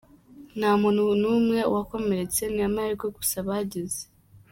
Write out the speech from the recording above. Nta muntu numwe wakomeretse, ni amahirwe gusa bagize.